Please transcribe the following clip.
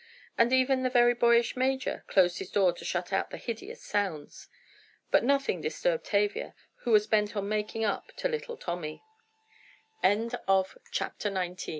And even the very boyish major closed his door to shut out the hideous sounds. But nothing disturbed Tavia, who was bent on making up to little Tommy. CHAPTER XX A THICKENED